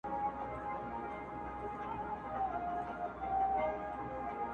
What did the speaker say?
نه مشال د چا په لار کي، نه پخپله لاره وینم؛